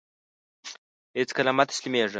هيڅکله مه تسلميږه !